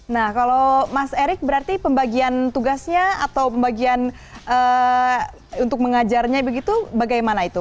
nah kalau mas erik berarti pembagian tugasnya atau pembagian untuk mengajarnya begitu bagaimana itu